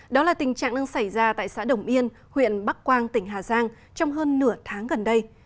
đó là tình trạng đang xảy ra tại xã đồng yên huyện bắc quang tỉnh hà giang trong hơn nửa tháng gần đây